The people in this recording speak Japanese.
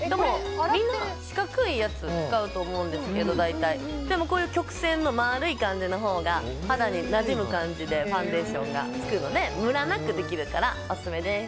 みんな大体四角いやつ使うと思うんですけど曲線の丸い感じのほうが肌になじむ感じでファンデーションがつくのでムラなくできるからオススメです。